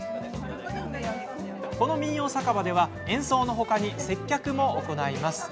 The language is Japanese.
この民謡酒場では演奏のほかに接客も行います。